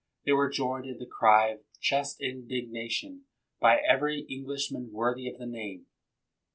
They were joined in the cry of just indignation by every Englishman worthy of the name.